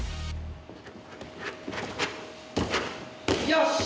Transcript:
よし！